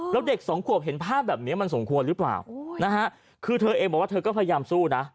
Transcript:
แล้วเด็กสองขวบเห็นภาพแบบนี้มันสมควรหรือเปล่านะฮะคือเธอเองบอกว่าเธอก็พยายามสู้นะ